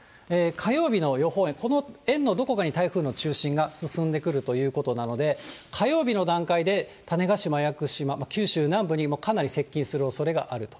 火曜日の予報円、この円のどこかに台風の中心が進んでくるということなので、火曜日の段階で種子島・屋久島、九州南部にかなり接近するおそれがあると。